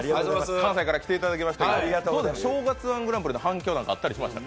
関西から来ていただきまして、どうですか、「正月−１グランプリ」の反響なんかはあったりしましたか？